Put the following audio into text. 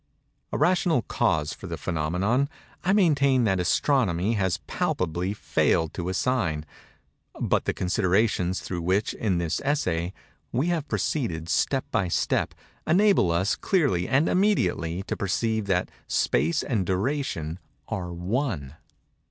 A rational cause for the phænomenon, I maintain that Astronomy has palpably failed to assign:—but the considerations through which, in this Essay, we have proceeded step by step, enable us clearly and immediately to perceive that Space and Duration are one.